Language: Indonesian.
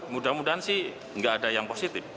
mudah mudahan sih nggak ada yang positif